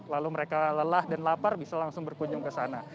lalu mereka lelah dan lapar bisa langsung berkunjung ke sana